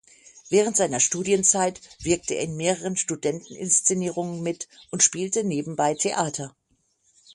Während seiner Studienzeit wirkte er in mehreren Studenten-Inszenierungen mit und spielte nebenbei Theater.